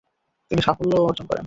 তিনি সাফল্যও অর্জন করেন।